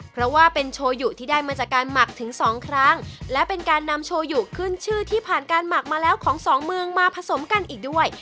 เพราะว่าเป็นโชยุที่ได้มาจากการหมักถึงสองครั้งและเป็นการนำโชยุขึ้นชื่อที่ผ่านการหมักมาแล้วของสองเมืองมาผสมกันอีกด้วย